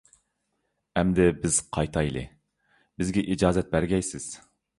ئەمدى بىز قايتايلى، بىزگە ئىجازەت بەرگەيسىز؟!